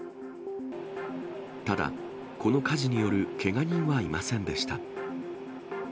ただ、この火事によるけが人はいませんでした。